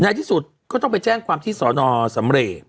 ในที่สุดก็ต้องไปแจ้งความที่สอนอสำเรก